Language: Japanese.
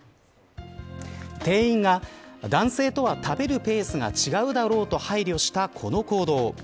店員が、男性とは食べるペースが違うだろうと配慮したこの行動。